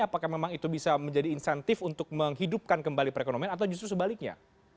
apakah memang itu bisa menjadi insentif untuk menghidupkan kembali perekonomian atau justru sebaliknya